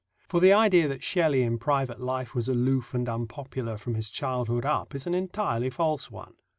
For the idea that Shelley in private life was aloof and unpopular from his childhood up is an entirely false one.